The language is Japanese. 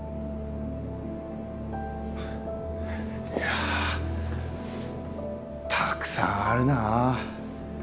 いやたくさんあるな。